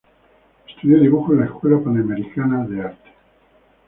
Estudió dibujo en la Escuela Panamericana de Arte.